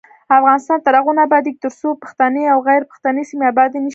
افغانستان تر هغو نه ابادیږي، ترڅو پښتني او غیر پښتني سیمې ابادې نشي.